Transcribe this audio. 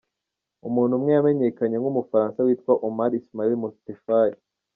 Umuntu umwe yamenyekanye nk’Umufaransa witwa Omar Ismail Mostefai.